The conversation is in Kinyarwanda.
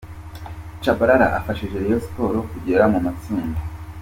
Tchabalala afashije Rayon Sports kugera mu matsinda.